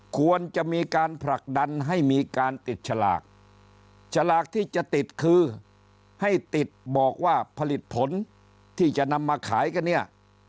ควรจะมีการผลักดันให้มีการติดฉลากฉลากที่จะติดคือให้ติดบอกว่าผลิตผลที่จะนำมาขายกันเนี่ย